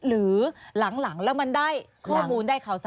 หรือหลังแล้วมันได้ข้อมูลได้ข่าวสาร